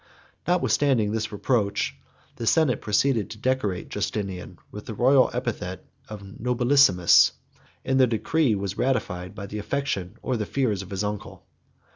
Not withstanding this reproach, the senate proceeded to decorate Justinian with the royal epithet of nobilissimus; and their decree was ratified by the affection or the fears of his uncle.